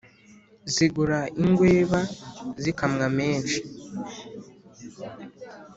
Zigura ingweba zikamwa menshi